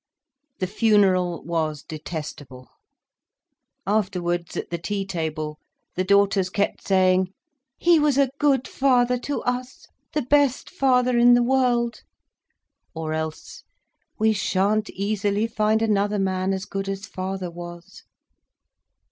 The funeral was detestable. Afterwards, at the tea table, the daughters kept saying—"He was a good father to us—the best father in the world"—or else—"We shan't easily find another man as good as father was."